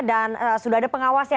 dan sudah ada pengawasnya